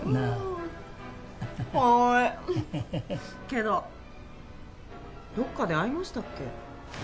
けどどこかで会いましたっけ？